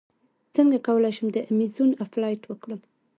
څنګه کولی شم د ایمیزون افیلیټ وکړم